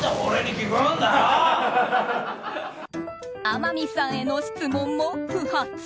天海さんへの質問も不発。